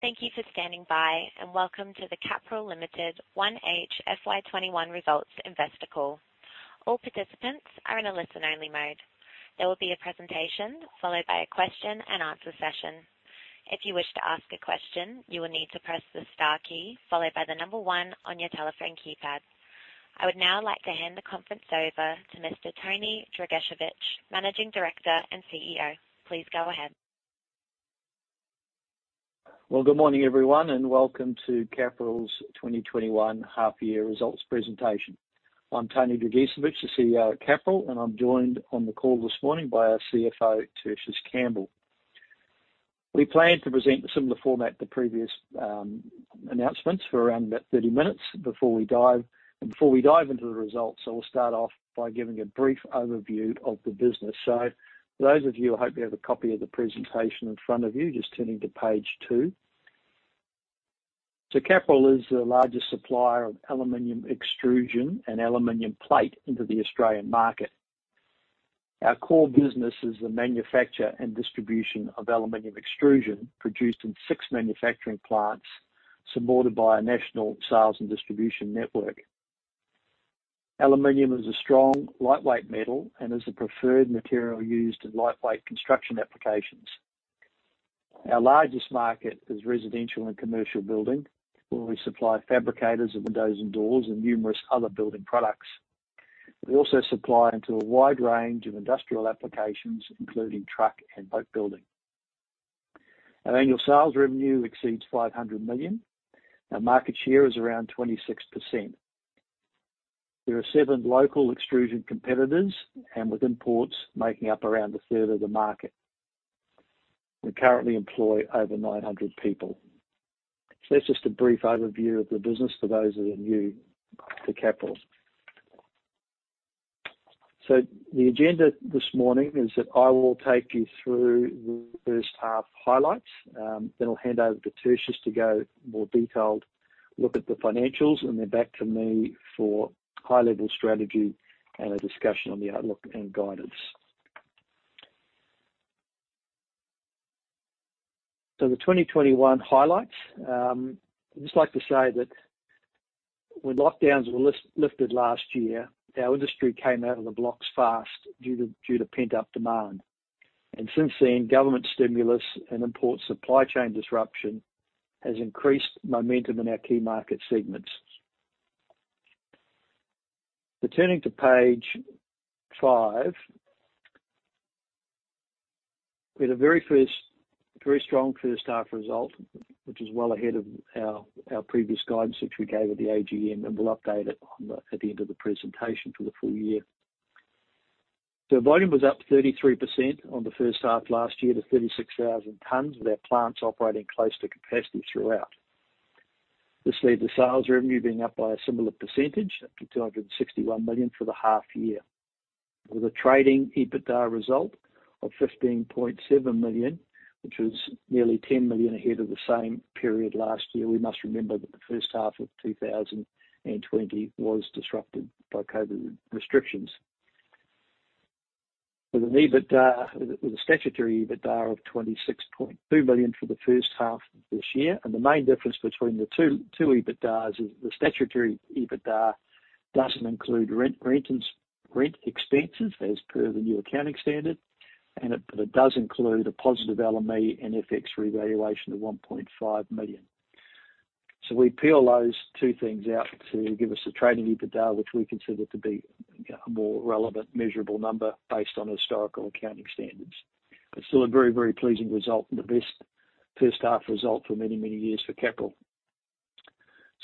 Thank you for standing by, and welcome to the Capral Limited 1H FY 2021 results investor call. All participants are in a listen-only mode. There will be a presentation followed by a question and answer session. I would now like to hand the conference over to Mr. Anthony Dragicevich, Managing Director and CEO. Please go ahead. Good morning, everyone, and welcome to Capral's 2021 half-year results presentation. I'm Anthony Dragicevich, the CEO at Capral, and I'm joined on the call this morning by our CFO, Tertius Campbell. We plan to present a similar format to previous announcements for around about 30 minutes before we dive into the results. We'll start off by giving a brief overview of the business. For those of you who hopefully have a copy of the presentation in front of you, just turning to page two. Capral is the largest supplier of aluminum extrusion and aluminum plate into the Australian market. Our core business is the manufacture and distribution of aluminum extrusion produced in six manufacturing plants, supported by a national sales and distribution network. Aluminum is a strong, lightweight metal and is the preferred material used in lightweight construction applications. Our largest market is residential and commercial building, where we supply fabricators of windows and doors and numerous other building products. We also supply into a wide range of industrial applications, including truck and boat building. Our annual sales revenue exceeds 500 million. Our market share is around 26%. There are seven local extrusion competitors, and with imports making up around 1/3 of the market. We currently employ over 900 people. That's just a brief overview of the business for those that are new to Capral. The agenda this morning is that I will take you through the first half highlights, then I'll hand over to Tertius to go more detailed look at the financials, and then back to me for high-level strategy and a discussion on the outlook and guidance. The 2021 highlights. I'd just like to say that when lockdowns were lifted last year, our industry came out of the blocks fast due to pent-up demand. Since then, government stimulus and import supply chain disruption has increased momentum in our key market segments. Turning to page five. We had a very strong first half result, which is well ahead of our previous guidance, which we gave at the AGM, and we'll update it at the end of the presentation for the full year. Volume was up 33% on the first half of last year to 36,000 t, with our plants operating close to capacity throughout. This led to sales revenue being up by a similar percentage, up to 261 million for the half year. With a trading EBITDA result of 15.7 million, which was nearly 10 million ahead of the same period last year. We must remember that the first half of 2020 was disrupted by COVID restrictions. With a statutory EBITDA of 26.2 million for the first half of this year. The main difference between the two EBITDA is the statutory EBITDA doesn't include rent expenses as per the new accounting standard, but it does include a positive LME and FX revaluation of 1.5 million. We peel those two things out to give us the trading EBITDA, which we consider to be a more relevant, measurable number based on historical accounting standards. Still a very pleasing result and the best first half result for many years for Capral.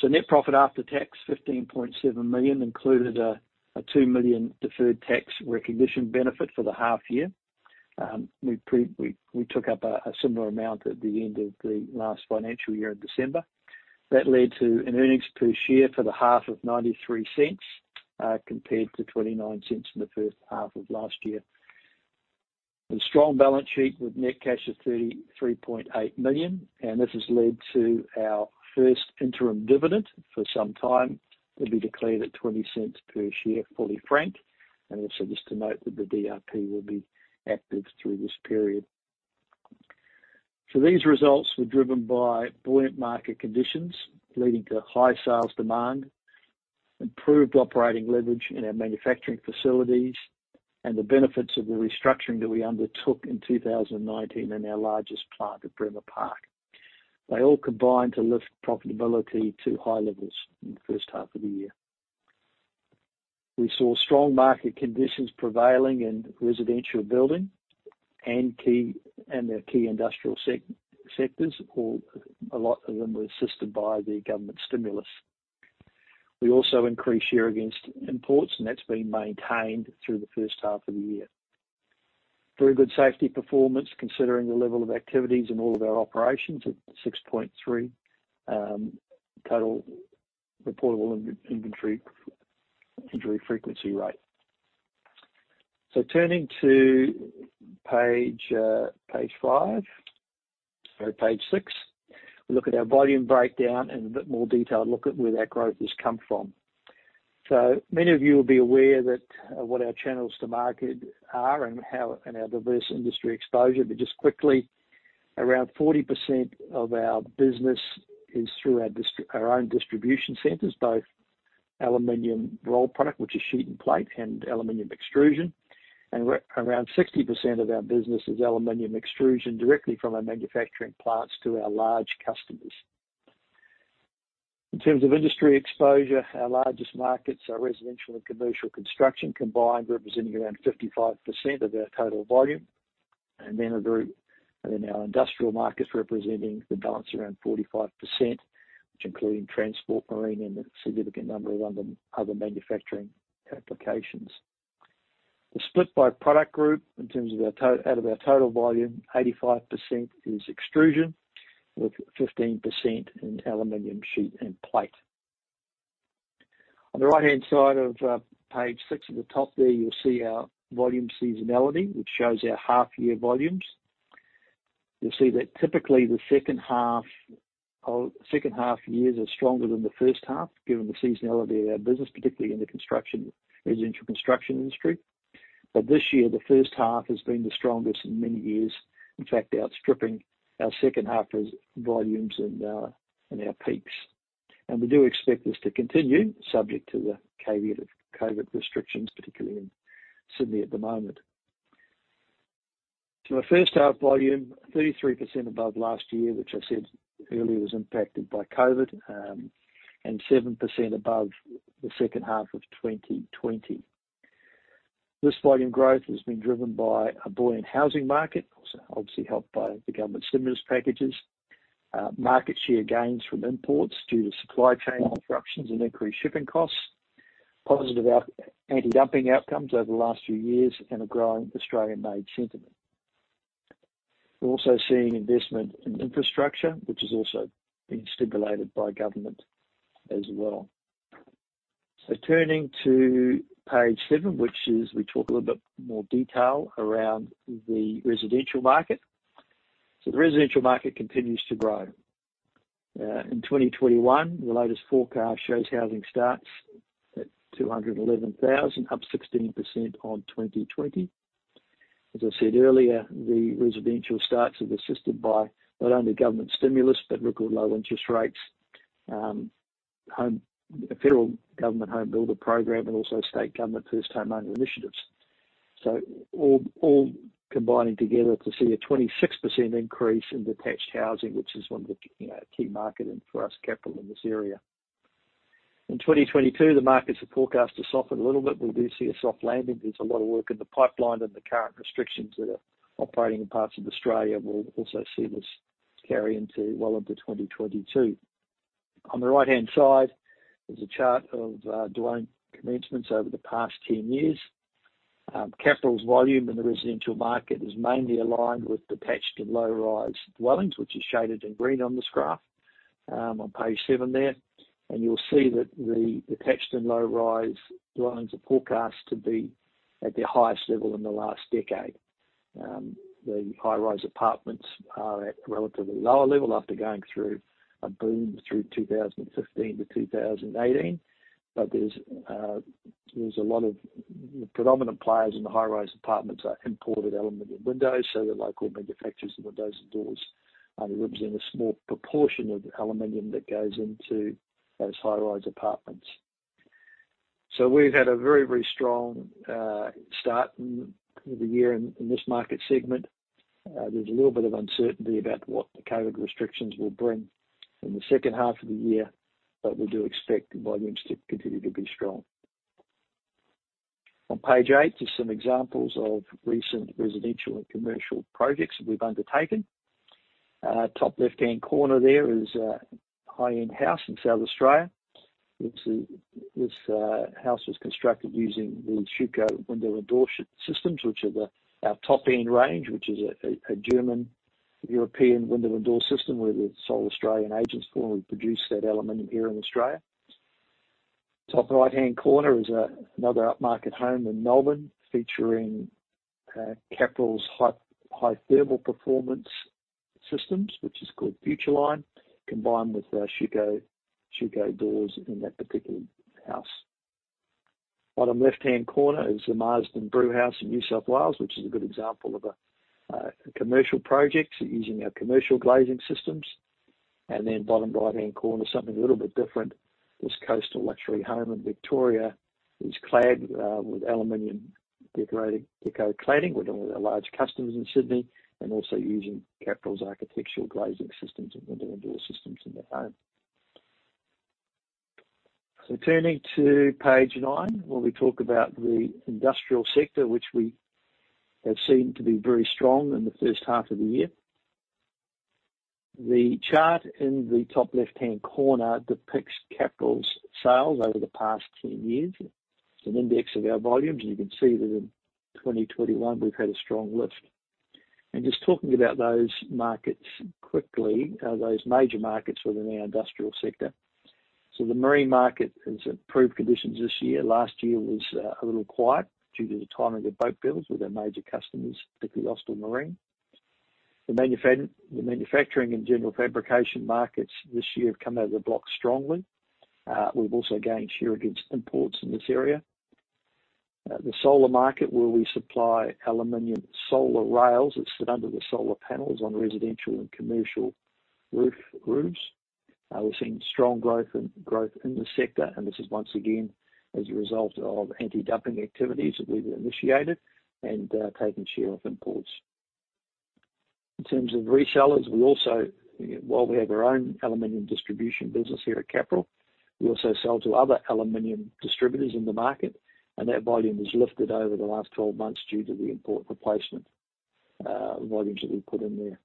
Net profit after tax, 15.7 million, included an 2 million deferred tax recognition benefit for the half year. We took up a similar amount at the end of the last financial year in December. That led to an earnings per share for the half of 0.93, compared to 0.29 in the first half of last year. A strong balance sheet with net cash of 33.8 million, this has led to our first interim dividend for some time. It'll be declared at 0.20 per share, fully franked. Also, just to note that the DRP will be active through this period. These results were driven by buoyant market conditions, leading to high sales demand, improved operating leverage in our manufacturing facilities, and the benefits of the restructuring that we undertook in 2019 in our largest plant at Bremer Park. They all combined to lift profitability to high levels in the first half of the year. We saw strong market conditions prevailing in residential building and their key industrial sectors. A lot of them were assisted by the government stimulus. We also increased share against imports, and that's been maintained through the first half of the year. Very good safety performance, considering the level of activities in all of our operations at 6.3 total recordable injury frequency rate. Turning to page six. We look at our volume breakdown and a bit more detailed look at where that growth has come from. Many of you will be aware what our channels to market are and our diverse industry exposure. Just quickly, around 40% of our business is through our own distribution centers, both aluminum rolled product, which is sheet and plate, and aluminum extrusion. Around 60% of our business is aluminum extrusion directly from our manufacturing plants to our large customers. In terms of industry exposure, our largest markets are residential and commercial construction combined, representing around 55% of our total volume. Our industrial markets representing the balance around 45%, which including transport, marine, and a significant number of other manufacturing applications. The split by product group out of our total volume, 85% is extrusion with 15% in aluminum sheet and plate. On the right-hand side of page six at the top there, you'll see our volume seasonality, which shows our half year volumes. You'll see that typically the second half years are stronger than the first half, given the seasonality of our business, particularly in the residential construction industry. This year, the first half has been the strongest in many years. In fact, outstripping our second half volumes and our peaks. We do expect this to continue subject to the caveat of COVID restrictions, particularly in Sydney at the moment. Our first half volume, 33% above last year, which I said earlier was impacted by COVID, and 7% above the second half of 2020. This volume growth has been driven by a buoyant housing market, also obviously helped by the government stimulus packages, market share gains from imports due to supply chain disruptions and increased shipping costs, positive anti-dumping outcomes over the last few years, and a growing Australian Made sentiment. We're also seeing investment in infrastructure, which has also been stimulated by government as well. Turning to page seven, which is we talk a little bit more detail around the residential market. The residential market continues to grow. In 2021, the latest forecast shows housing starts at 211,000, up 16% on 2020. As I said earlier, the residential starts are assisted by not only government stimulus but record low interest rates, Federal Government HomeBuilder program, and also state government first home owner initiatives. All combining together to see a 26% increase in detached housing, which is one of the key market and for us Capral in this area. In 2022, the markets are forecast to soften a little bit. We do see a soft landing. There is a lot of work in the pipeline and the current restrictions that are operating in parts of Australia will also see this carry into well into 2022. On the right-hand side is a chart of dwelling commencements over the past 10 years. Capral's volume in the residential market is mainly aligned with detached and low-rise dwellings, which is shaded in green on this graph on page 7 there. You'll see that the detached and low-rise dwellings are forecast to be at their highest level in the last decade. The high-rise apartments are at relatively lower level after going through a boom through 2015 to 2018. There's a lot of predominant players in the high-rise apartments are imported aluminum windows. The local manufacturers of windows and doors only represent a small proportion of the aluminum that goes into those high-rise apartments. We've had a very strong start in the year in this market segment. There's a little bit of uncertainty about what the COVID restrictions will bring in the second half of the year. We do expect volumes to continue to be strong. On page eight are some examples of recent residential and commercial projects that we've undertaken. Top left-hand corner there is a high-end house in South Australia. This house was constructed using the Schüco window and door systems, which are our top-end range, which is a German European window and door system. We're the sole Australian agents for them. We produce that element here in Australia. Top right-hand corner is another upmarket home in Melbourne featuring Capral's high thermal performance systems, which is called Futureline, combined with Schüco doors in that particular house. Bottom left-hand corner is The Marsden Brewhouse in New South Wales, which is a good example of a commercial project using our commercial glazing systems. Bottom right-hand corner, something a little bit different. This coastal luxury home in Victoria is clad with aluminum DecoClad. We're dealing with large customers in Sydney and also using Capral's architectural glazing systems and window and door systems in their home. Turning to page nine, where we talk about the industrial sector, which we have seen to be very strong in the first half of the year. The chart in the top left-hand corner depicts Capral's sales over the past 10 years. It's an index of our volumes, and you can see that in 2021, we've had a strong lift. Just talking about those markets quickly are those major markets within our industrial sector. The marine market has improved conditions this year. Last year was a little quiet due to the timing of boat builds with our major customers, particularly Austal. The manufacturing and general fabrication markets this year have come out of the block strongly. We've also gained share against imports in this area. The solar market, where we supply aluminum solar rails that sit under the solar panels on residential and commercial roofs. We're seeing strong growth in the sector, this is once again as a result of anti-dumping activities that we've initiated and taken share of imports. In terms of resellers, while we have our own aluminum distribution business here at Capral, we also sell to other aluminum distributors in the market, and that volume has lifted over the last 12 months due to the import replacement volumes that we put in there.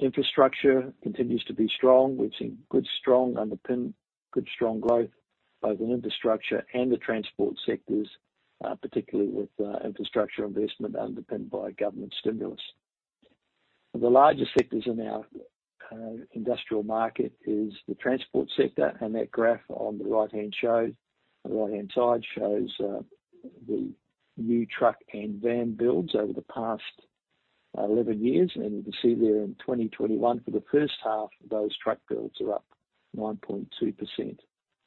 Infrastructure continues to be strong. We're seeing good, strong growth both in infrastructure and the transport sectors, particularly with infrastructure investment underpinned by government stimulus. The largest sectors in our industrial market is the transport sector. That graph on the right-hand side shows the new truck and van builds over the past 11 years. You can see there in 2021, for the first half, those truck builds are up 9.2%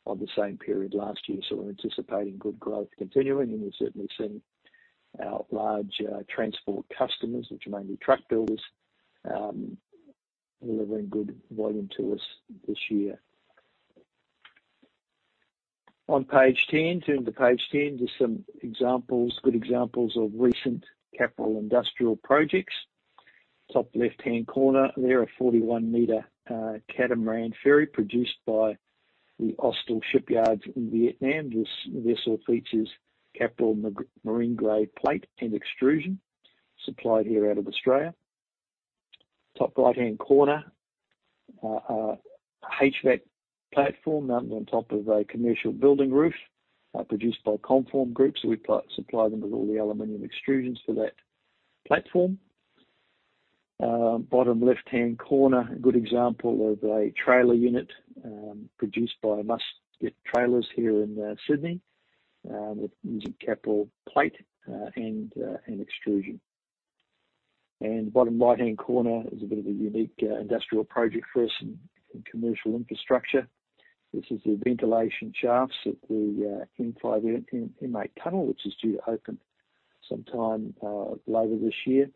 on the same period last year. We're anticipating good growth continuing, and we're certainly seeing our large transport customers, which are mainly truck builders, delivering good volume to us this year. On page 10, turning to page 10, just some good examples of recent Capral industrial projects. Top left-hand corner, there a 41-m catamaran ferry produced by the Austal shipyards in Vietnam. This vessel features Capral marine-grade plate and extrusion supplied here out of Australia. Top right-hand corner, a HVAC platform mounted on top of a commercial building roof, produced by Con-form Group. We supply them with all the aluminum extrusions for that platform. Bottom left-hand corner, a good example of a trailer unit produced by Muscat Trailers here in Sydney, using Capral plate and extrusion. Bottom right-hand corner is a bit of a unique industrial project for us in commercial infrastructure. This is the ventilation shafts at the WestConnex M8 tunnel, which is due to open sometime later this year.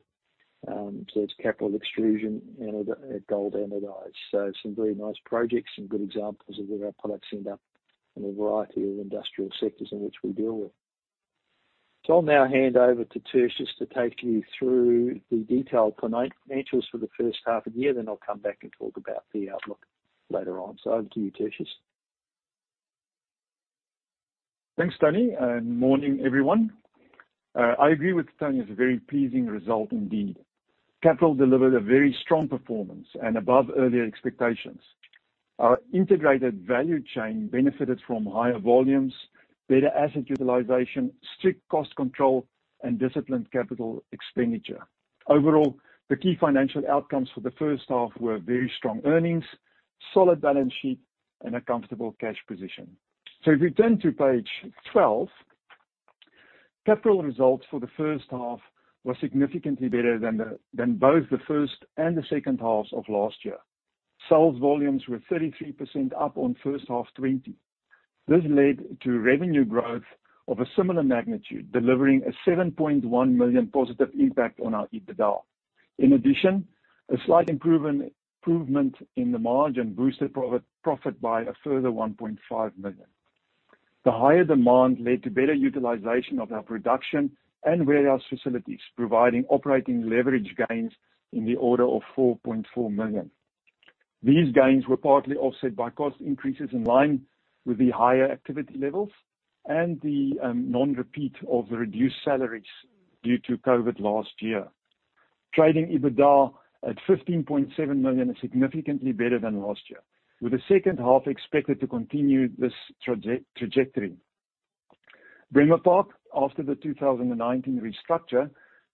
It's Capral extrusion and gold anodized. Some very nice projects and good examples of where our products end up in a variety of industrial sectors in which we deal with. I'll now hand over to Tertius to take you through the detailed financials for the first half of the year. I'll come back and talk about the outlook later on. Over to you, Tertius. Thanks, Tony. Morning, everyone. I agree with Tony. It's a very pleasing result indeed. Capral delivered a very strong performance and above earlier expectations. Our integrated value chain benefited from higher volumes, better asset utilization, strict cost control, and disciplined capital expenditure. Overall, the key financial outcomes for the first half were very strong earnings, solid balance sheet, and a comfortable cash position. If you turn to page 12, Capral results for the first half were significantly better than both the first and the second halves of last year. Sales volumes were 33% up on first half 2020. This led to revenue growth of a similar magnitude, delivering an 7.1 million positive impact on our EBITDA. In addition, a slight improvement in the margin boosted profit by a further 1.5 million. The higher demand led to better utilization of our production and warehouse facilities, providing operating leverage gains in the order of 4.4 million. These gains were partly offset by cost increases in line with the higher activity levels and the non-repeat of the reduced salaries due to COVID last year. Trading EBITDA at 15.7 million is significantly better than last year, with the second half expected to continue this trajectory. Bremer Park, after the 2019 restructure,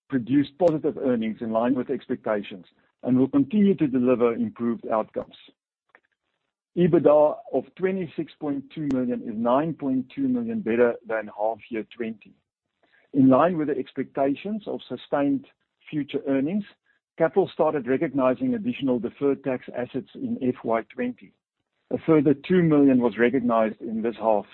produced positive earnings in line with expectations and will continue to deliver improved outcomes. EBITDA of 26.2 million is 9.2 million better than half year 2020. In line with the expectations of sustained future earnings, Capral started recognizing additional deferred tax assets in FY 2020. A further 2 million was recognized in this half.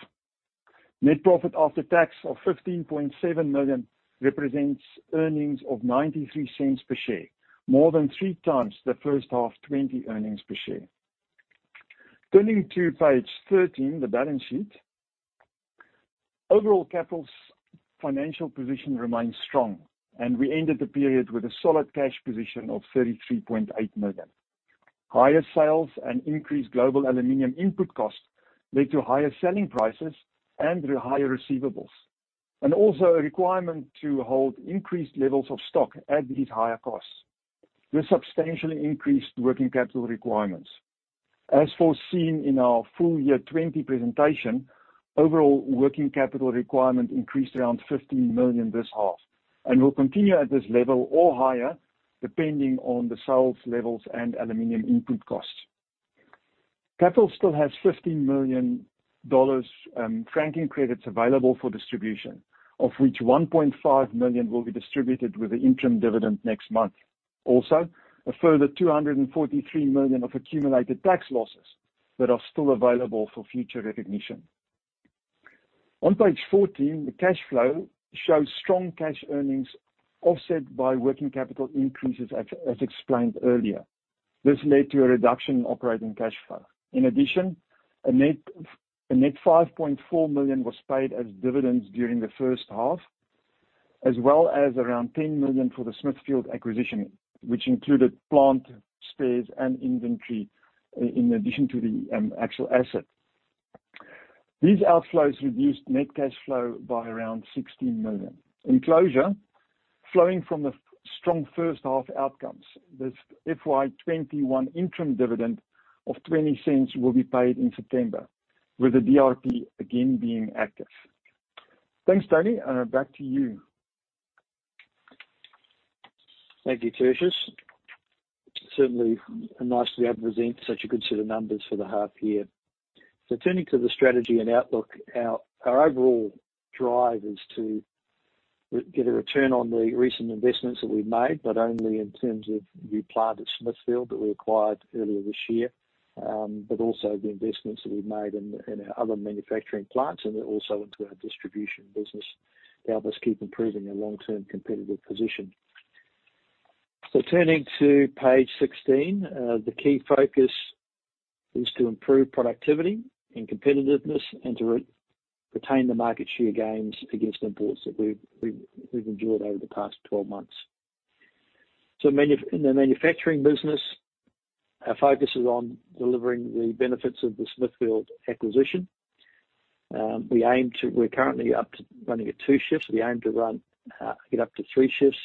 Net profit after tax of 15.7 million represents earnings of 0.93 per share, more than three times the first half FY 2020 earnings per share. Turning to page 13, the balance sheet. Overall, Capral's financial position remains strong, and we ended the period with a solid cash position of 33.8 million. Higher sales and increased global aluminum input costs led to higher selling prices and higher receivables, and also a requirement to hold increased levels of stock at these higher costs. This substantially increased working capital requirements. As foreseen in our full year FY 2020 presentation, overall working capital requirement increased around 15 million this half and will continue at this level or higher, depending on the sales levels and aluminum input costs. Capral still has 15 million dollars franking credits available for distribution, of which 1.5 million will be distributed with the interim dividend next month. A further 243 million of accumulated tax losses that are still available for future recognition. On page 14, the cash flow shows strong cash earnings offset by working capital increases, as explained earlier. This led to a reduction in operating cash flow. A net 5.4 million was paid as dividends during the first half, as well as around 10 million for the Smithfield acquisition, which included plant, spares, and inventory, in addition to the actual asset. These outflows reduced net cash flow by around 16 million. Flowing from the strong first-half outcomes, this FY 2021 interim dividend of 0.20 will be paid in September, with the DRP again being active. Thanks, Tony. Back to you. Thank you, Tertius. Certainly nice to be able to present such a good set of numbers for the half year. Turning to the strategy and outlook, our overall drive is to get a return on the recent investments that we've made, not only in terms of new plant at Smithfield that we acquired earlier this year, but also the investments that we've made in our other manufacturing plants and also into our distribution business to help us keep improving our long-term competitive position. Turning to page 16, the key focus is to improve productivity and competitiveness and to retain the market share gains against imports that we've enjoyed over the past 12 months. In the manufacturing business, our focus is on delivering the benefits of the Smithfield acquisition. We're currently up to running at two shifts. We aim to get up to three shifts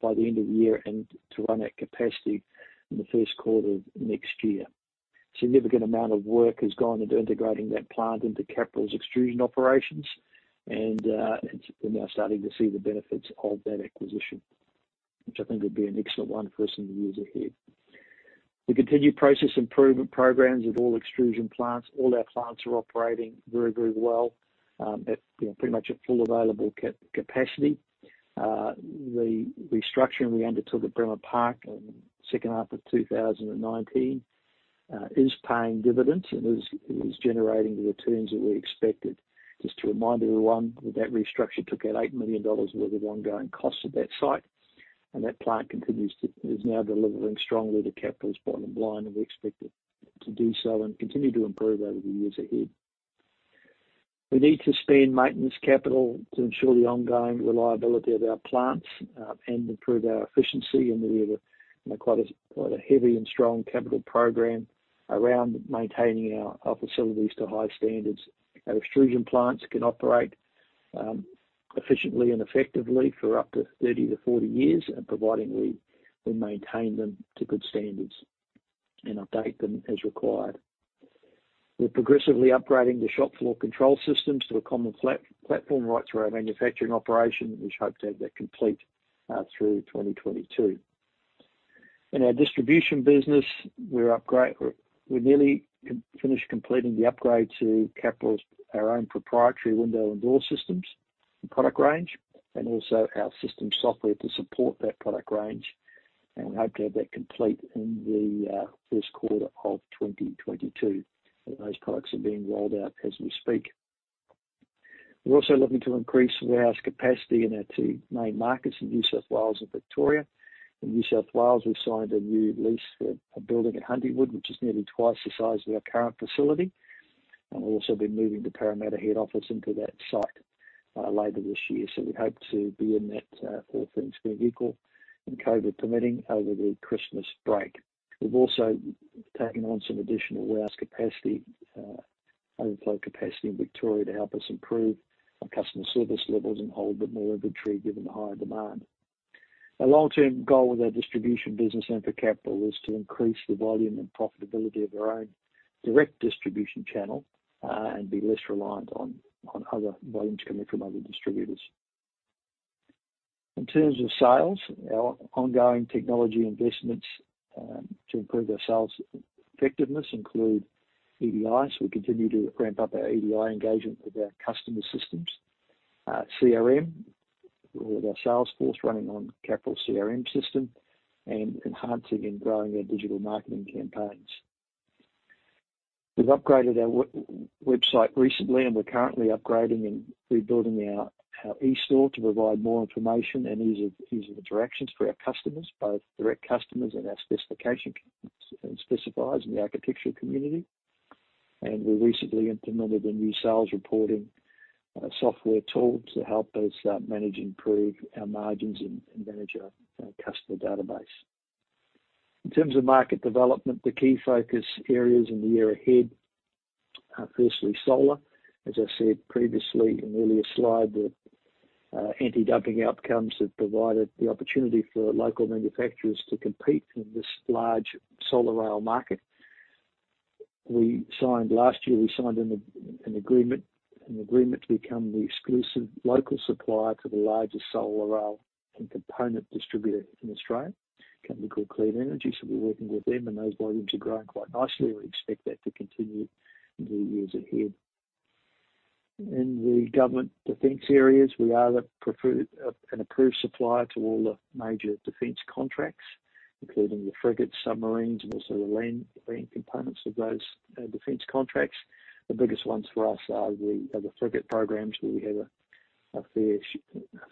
by the end of the year and to run at capacity in the first quarter of next year. Significant amount of work has gone into integrating that plant into Capral's extrusion operations, and we're now starting to see the benefits of that acquisition, which I think will be an excellent one for us in the years ahead. The continued process improvement programs at all extrusion plants, all our plants are operating very, very well at pretty much at full available capacity. The restructuring we undertook at Bremer Park in the second half of 2019 is paying dividends and is generating the returns that we expected. Just to remind everyone that that restructure took out 8 million dollars worth of ongoing costs at that site, and that plant is now delivering strongly to Capral's bottom line, and we expect it to do so and continue to improve over the years ahead. We need to spend maintenance capital to ensure the ongoing reliability of our plants and improve our efficiency, and we have quite a heavy and strong capital program around maintaining our facilities to high standards. Our extrusion plants can operate efficiently and effectively for up to 30 to 40 years providing we maintain them to good standards and update them as required. We are progressively upgrading the shop floor control systems to a common platform right through our manufacturing operation. We just hope to have that complete through 2022. In our distribution business, we're nearly finished completing the upgrade to Capral's, our own proprietary window and door systems and product range. We hope to have that complete in the first quarter of 2022. Those products are being rolled out as we speak. We're also looking to increase warehouse capacity in our two main markets in New South Wales and Victoria. In New South Wales, we signed a new lease for a building at Huntingwood, which is nearly twice the size of our current facility. We'll also be moving the Parramatta head office into that site later this year. We hope to be in that fourth and square vehicle and COVID permitting over the Christmas break. We've also taken on some additional warehouse capacity, overflow capacity in Victoria to help us improve our customer service levels and hold a bit more inventory given the higher demand. Our long-term goal with our distribution business and for Capral is to increase the volume and profitability of our own direct distribution channel, be less reliant on other volumes coming from other distributors. In terms of sales, our ongoing technology investments to improve our sales effectiveness include EDI. We continue to ramp up our EDI engagement with our customer systems, CRM, with our sales force running on Capral CRM system and enhancing and growing our digital marketing campaigns. We've upgraded our website recently, we're currently upgrading and rebuilding our e-store to provide more information and ease of interactions for our customers, both direct customers and our specification specifiers in the architectural community. We recently implemented a new sales reporting software tool to help us manage and improve our margins and manage our customer database. In terms of market development, the key focus areas in the year ahead are firstly solar. As I said previously in the earlier slide, the anti-dumping outcomes have provided the opportunity for local manufacturers to compete in this large solar rail market. Last year, we signed an agreement to become the exclusive local supplier to the largest solar rail and component distributor in Australia, a company called Clean. We're working with them, and those volumes are growing quite nicely, and we expect that to continue in the years ahead. In the government defense areas, we are an approved supplier to all the major defense contracts, including the frigate submarines and also the land-based components of those defense contracts. The biggest ones for us are the frigate programs, where we have a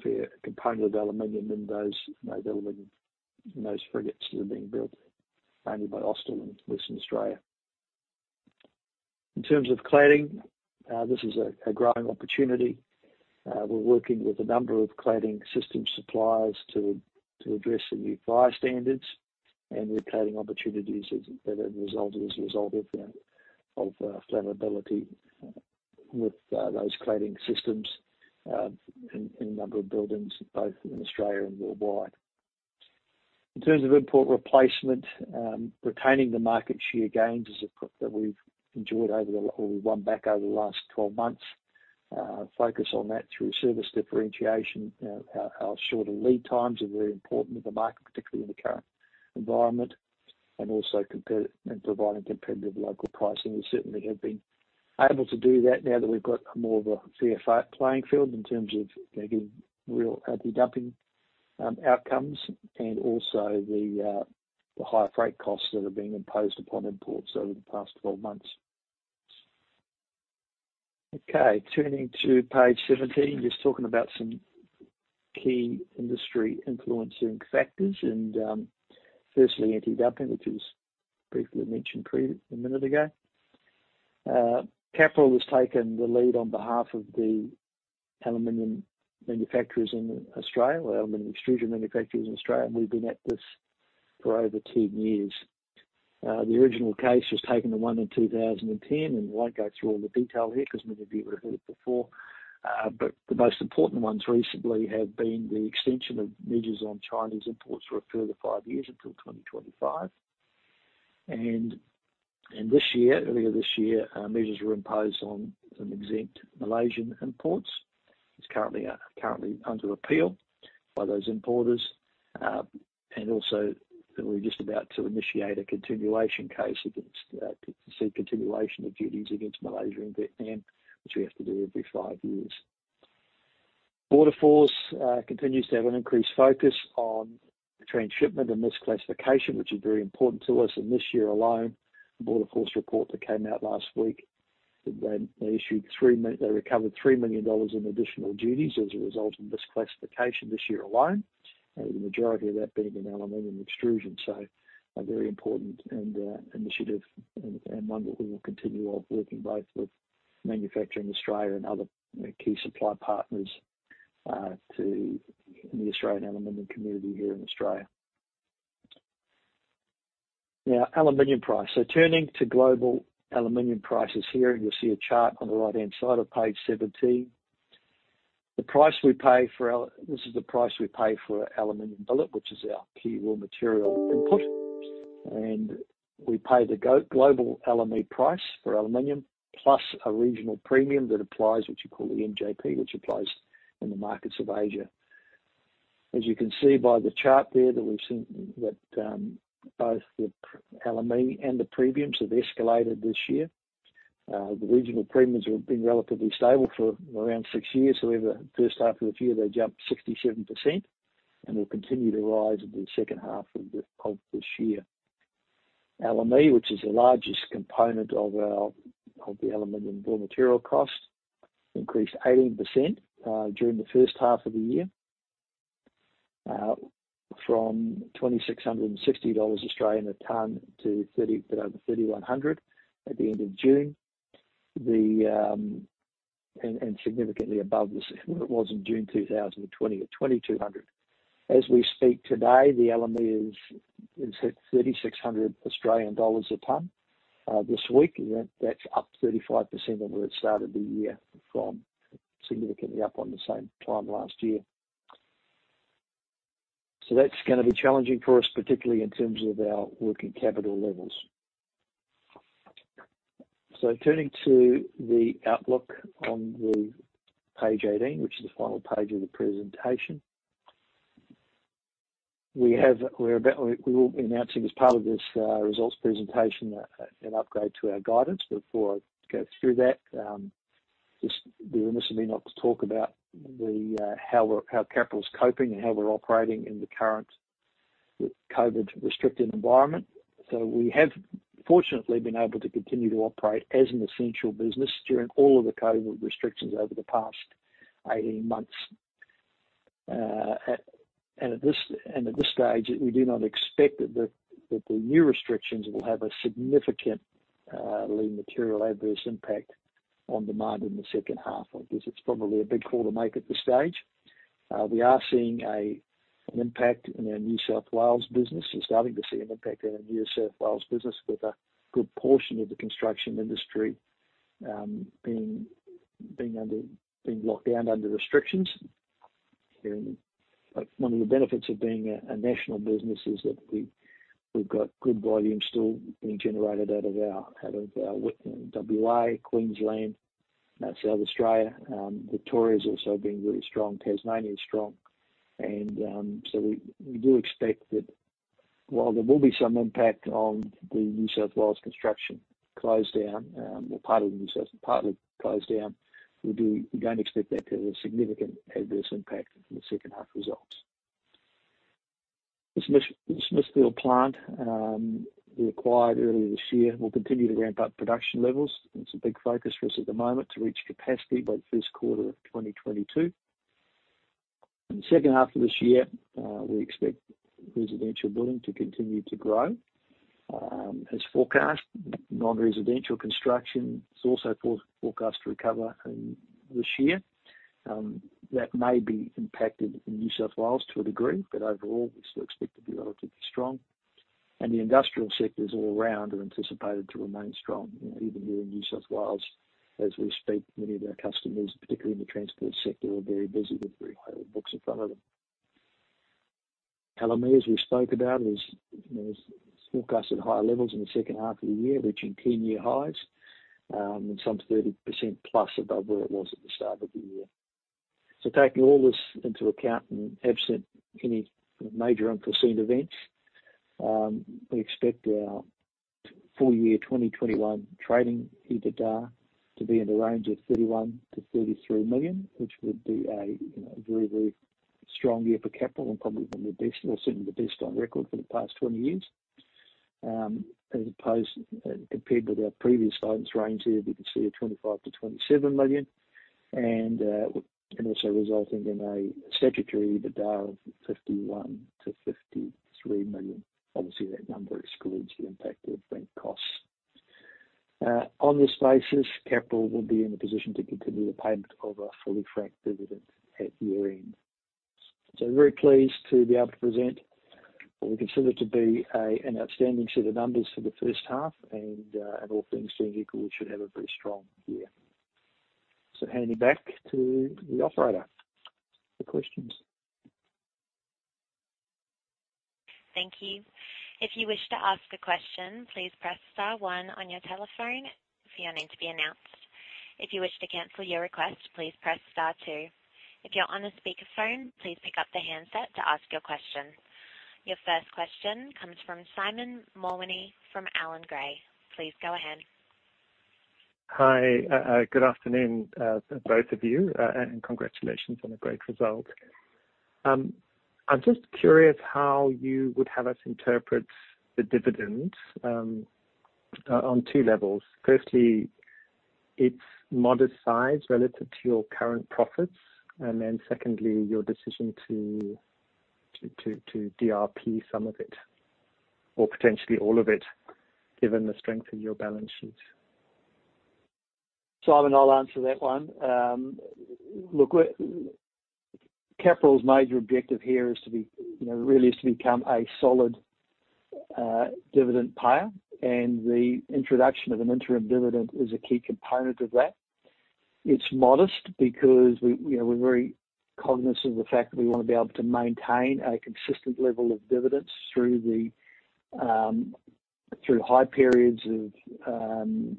fair component of aluminum in those frigates that are being built mainly by Austal in Western Australia. In terms of cladding, this is a growing opportunity. We're working with a number of cladding system suppliers to address the new fire standards and new cladding opportunities that have resulted as a result of flammability with those cladding systems in a number of buildings, both in Australia and worldwide. In terms of import replacement, retaining the market share gains that we've enjoyed or we won back over the last 12 months. Focus on that through service differentiation. Our shorter lead times are very important to the market, particularly in the current environment, also in providing competitive local pricing. We certainly have been able to do that now that we've got more of a fair playing field in terms of getting real anti-dumping outcomes and also the higher freight costs that have been imposed upon imports over the past 12 months. Okay. Firstly, anti-dumping, which was briefly mentioned a minute ago. Capral has taken the lead on behalf of the aluminum manufacturers in Australia, aluminum extrusion manufacturers in Australia. We've been at this for over 10 years. The original case was taken and won in 2010. I won't go through all the detail here because many of you have heard it before. The most important ones recently have been the extension of measures on Chinese imports for a further five years until 2025. Earlier this year, measures were imposed on some exempt Malaysian imports. It's currently under appeal by those importers. Also, we're just about to initiate a continuation case to seek continuation of duties against Malaysia and Vietnam, which we have to do every five years. Border Force continues to have an increased focus on transshipment and misclassification, which is very important to us. In this year alone, the Border Force report that came out last week, they recovered 3 million dollars in additional duties as a result of misclassification this year alone, the majority of that being in aluminum extrusion. A very important initiative and one that we will continue working both with Manufacturing Australia and other key supply partners to the Australian aluminum community here in Australia. Aluminum price. Turning to global aluminum prices here, and you'll see a chart on the right-hand side of page 17. This is the price we pay for aluminum billet, which is our key raw material input. We pay the global LME price for aluminum plus a regional premium that applies, which you call the MJP, which applies in the markets of Asia. As you can see by the chart there that we've seen that both the LME and the premiums have escalated this year. The regional premiums have been relatively stable for around six years. However, first half of the year, they jumped 67% and will continue to rise in the second half of this year. LME, which is the largest component of the aluminum raw material cost, increased 18% during the first half of the year from 2,660 Australian dollars Australian a tonne to a bit over 3,100 at the end of June, and significantly above what it was in June 2020 at 2,200. As we speak today, the LME is at AU$3,600 a tonne this week. That's up 35% on where it started the year from, significantly up on the same time last year. That's going to be challenging for us, particularly in terms of our working capital levels. Turning to the outlook on page 18, which is the final page of the presentation. We will be announcing as part of this results presentation an upgrade to our guidance. Before I go through that, just be remiss of me not to talk about how Capral is coping and how we're operating in the current COVID restrictive environment. We have fortunately been able to continue to operate as an essential business during all of the COVID restrictions over the past 18 months. At this stage, we do not expect that the new restrictions will have a significantly material adverse impact on demand in the second half. I guess it's probably a big call to make at this stage. We are seeing an impact in our New South Wales business. We're starting to see an impact in our New South Wales business with a good portion of the construction industry being locked down under restrictions. One of the benefits of being a national business is that we've got good volume still being generated out of WA, Queensland, South Australia. Victoria's also been really strong. Tasmania is strong. We do expect that while there will be some impact on the New South Wales construction closed down, well, partly closed down, we don't expect that to have a significant adverse impact on the second half results. The Smithfield plant we acquired earlier this year will continue to ramp up production levels. It's a big focus for us at the moment to reach capacity by the first quarter of 2022. In the second half of this year, we expect residential building to continue to grow as forecast. Non-residential construction is also forecast to recover this year. That may be impacted in New South Wales to a degree, but overall we still expect to be relatively strong. The industrial sectors all round are anticipated to remain strong, even here in New South Wales. As we speak, many of our customers, particularly in the transport sector, are very busy with very high books in front of them. LME, as we spoke about, is forecast at higher levels in the second half of the year, reaching 10-year highs, and some 30% plus above where it was at the start of the year. Taking all this into account and absent any major unforeseen events, we expect our full year 2021 trading EBITDA to be in the range of 31 million-33 million, which would be a very strong year for Capral and probably one of the best or certainly the best on record for the past 20 years, as opposed compared with our previous guidance range here, we can see a 25 million-27 million, and also resulting in a statutory EBITDA of 51 million-53 million. Obviously, that number excludes the impact of bank costs. On this basis, Capral will be in a position to continue the payment of a fully franked dividend at year-end. Very pleased to be able to present what we consider to be an outstanding set of numbers for the first half and all things being equal, we should have a very strong year. Handing back to the operator for questions. Thank you. If you wish to ask a question please press star one on your telephone. If you wish to cancel your request, please press star two. If you're on a speakerphone, please pick up the handset to ask a question. Your first question comes from Simon Mawhinney from Allan Gray. Please go ahead. Hi. Good afternoon to both of you, and congratulations on a great result. I'm just curious how you would have us interpret the dividend on two levels. Firstly, its modest size relative to your current profits. Secondly, your decision to DRP some of it or potentially all of it, given the strength of your balance sheet. Simon, I'll answer that one. Look, Capral's major objective here really is to become a solid dividend payer, and the introduction of an interim dividend is a key component of that. It's modest because we're very cognizant of the fact that we want to be able to maintain a consistent level of dividends through high periods of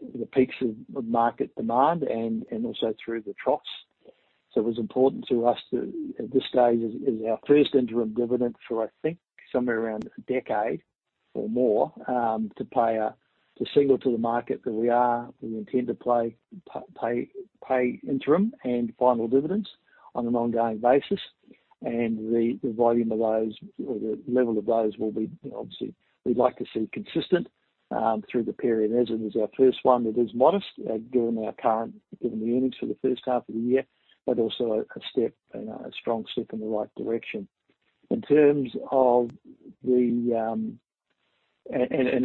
the peaks of market demand and also through the troughs. It was important to us to, at this stage, is our first interim dividend for I think somewhere around 10 years or more, to signal to the market that we intend to pay interim and final dividends on an ongoing basis, and the volume of those or the level of those will be obviously, we'd like to see consistent through the period. As it is our first one, it is modest given the earnings for the first half of the year, but also a strong step in the right direction.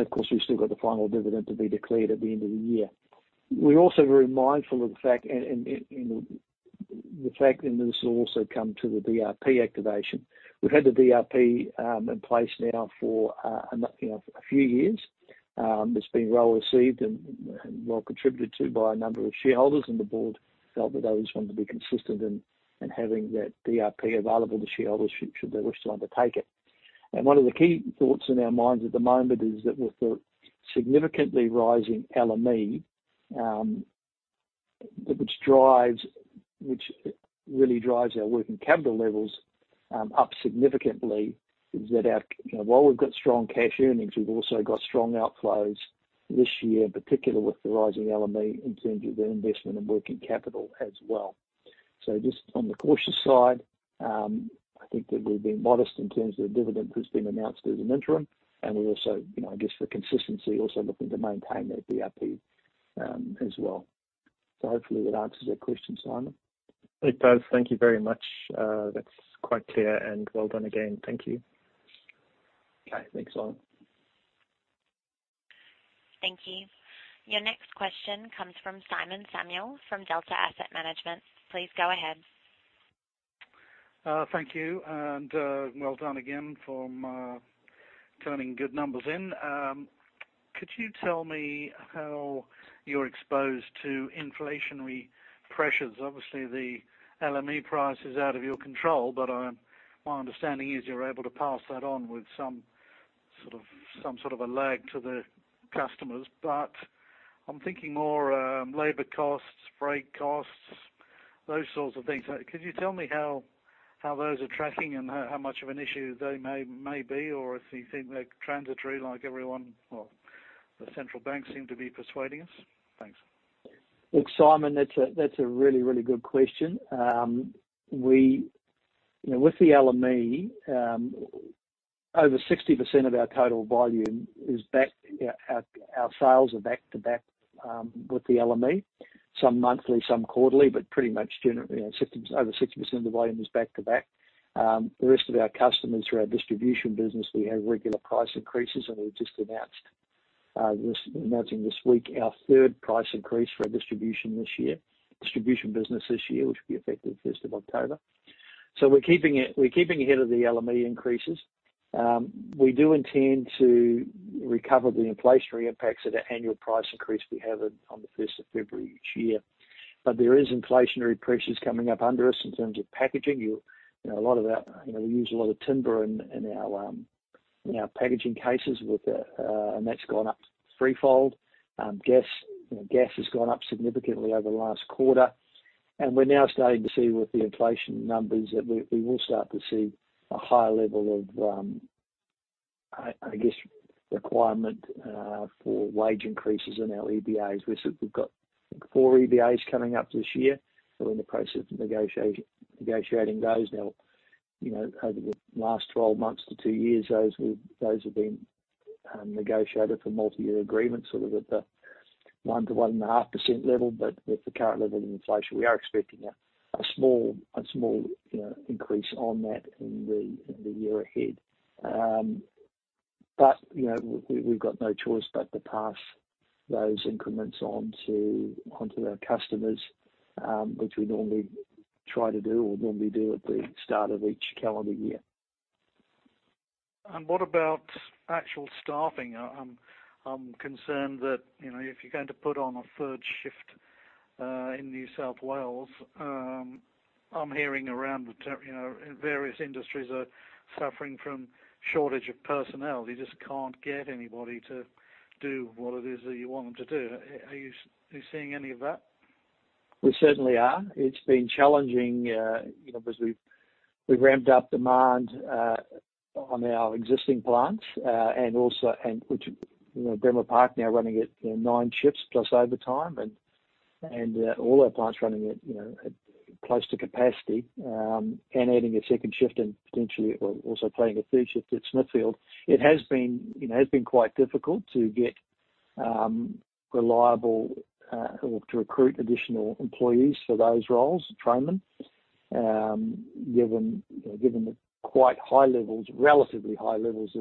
Of course, we've still got the final dividend to be declared at the end of the year. We're also very mindful of the fact, this will also come to the DRP activation. We've had the DRP in place now for a few years. It's been well received and well contributed to by a number of shareholders, the board felt that they just wanted to be consistent in having that DRP available to shareholders should they wish to undertake it. One of the key thoughts in our minds at the moment is that with the significantly rising LME, which really drives our working capital levels up significantly, is that while we've got strong cash earnings, we've also got strong outflows this year, in particular with the rising LME in terms of their investment and working capital as well. Just on the cautious side, I think that we've been modest in terms of the dividend that's been announced as an interim, and we also, I guess for consistency, also looking to maintain that DRP as well. Hopefully that answers your question, Simon. It does. Thank you very much. That is quite clear and well done again. Thank you. Okay. Thanks, Simon. Thank you. Your next question comes from Simon Samuel from Delta Asset Management. Please go ahead. Thank you, and well done again, turning good numbers in. Could you tell me how you're exposed to inflationary pressures? Obviously, the LME price is out of your control, but my understanding is you're able to pass that on with some sort of a lag to the customers. I'm thinking more labor costs, freight costs, those sorts of things. Could you tell me how those are tracking and how much of an issue they may be? If you think they're transitory like everyone, well, the central banks seem to be persuading us? Thanks. Look, Simon, that's a really good question. With the LME, over 60% of our total volume, our sales are back-to-back with the LME, some monthly, some quarterly, but pretty much over 60% of the volume is back-to-back. The rest of our customers through our distribution business, we have regular price increases, and we're just announcing this week our third price increase for our distribution business this year, which will be effective 1st of October. We're keeping ahead of the LME increases. We do intend to recover the inflationary impacts at our annual price increase we have on the 1st of February each year. There is inflationary pressures coming up under us in terms of packaging. We use a lot of timber in our packaging cases and that's gone up threefold. Gas has gone up significantly over the last quarter, and we're now starting to see with the inflation numbers that we will start to see a higher level of, I guess, requirement for wage increases in our EBAs. We've got four EBAs coming up this year. We're in the process of negotiating those now. Over the last 12 months to two years, those have been negotiated for multi-year agreements sort of at the 1% to 1.5% level. With the current level of inflation, we are expecting a small increase on that in the year ahead. We've got no choice but to pass those increments on to our customers, which we normally try to do or normally do at the start of each calendar year. What about actual staffing? I'm concerned that, if you're going to put on a third shift in New South Wales, I'm hearing around that various industries are suffering from shortage of personnel. You just can't get anybody to do what it is that you want them to do. Are you seeing any of that? We certainly are. It's been challenging, because we've ramped up demand on our existing plants and which Bremer Park now running at nine shifts plus overtime, and all our plants running at close to capacity, and adding a secondnd shift and potentially or also planning a third shift at Smithfield. It has been quite difficult to recruit additional employees for those roles, train them, given the relatively high levels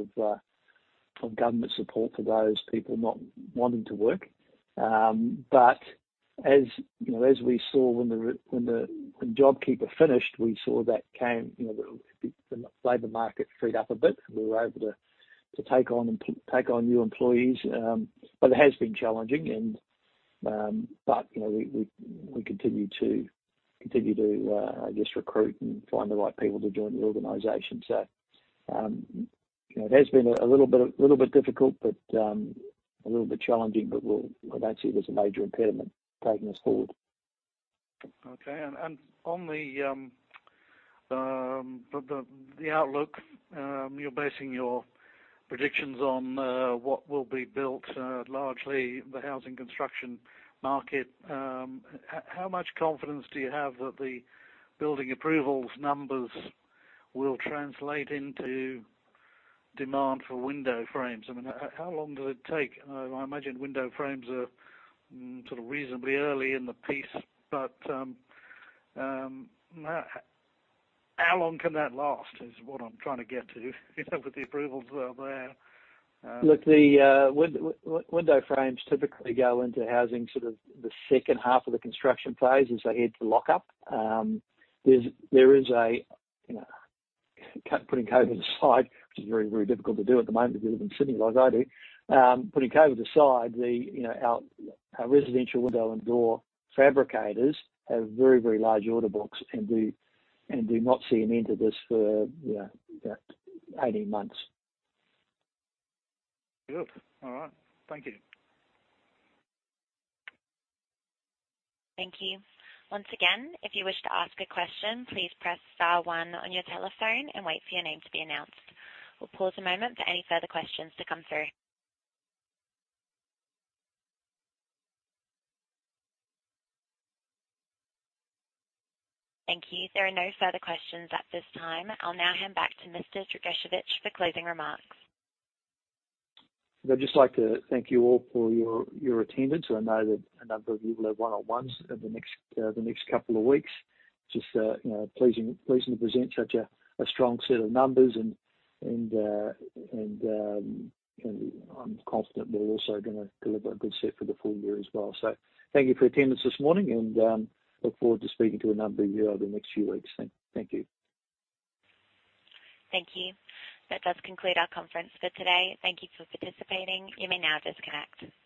of government support for those people not wanting to work. As we saw when JobKeeper finished, we saw the labor market freed up a bit, and we were able to take on new employees. It has been challenging and but we continue to, I guess, recruit and find the right people to join the organization. It has been a little bit difficult, a little bit challenging, but we don't see it as a major impediment taking us forward. Okay. On the outlook, you're basing your predictions on what will be built, largely the housing construction market. How much confidence do you have that the building approvals numbers will translate into demand for window frames? I mean, how long does it take? I imagine window frames are sort of reasonably early in the piece, but how long can that last is what I'm trying to get to with the approvals that are there. The window frames typically go into housing sort of the second half of the construction phase as they head to lock up. Putting COVID aside, which is very difficult to do at the moment if you live in Sydney like I do. Putting COVID aside, our residential window and door fabricators have very large order books and do not see an end to this for about 18 months. Good. All right. Thank you. Thank you. Once again, if you wish to ask a question, please press star one on your telephone and wait for your name to be announced. We'll pause a moment for any further questions to come through. Thank you. There are no further questions at this time. I'll now hand back to Mr. Dragicevich for closing remarks. I'd just like to thank you all for your attendance. I know that a number of you will have one-on-ones over the next couple of weeks. Just pleasing to present such a strong set of numbers and I'm confident we're also going to deliver a good set for the full year as well. Thank you for your attendance this morning, and look forward to speaking to a number of you over the next few weeks. Thank you. Thank you. That does conclude our conference for today. Thank you for participating. You may now disconnect.